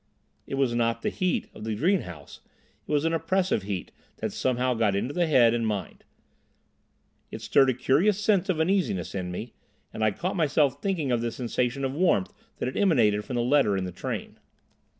It was not the heat of the greenhouse; it was an oppressive heat that somehow got into the head and mind. It stirred a curious sense of uneasiness in me, and I caught myself thinking of the sensation of warmth that had emanated from the letter in the train.